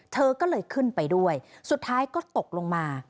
เธอก็เลยขึ้นไปด้วยสุดท้ายก็ตกลงมา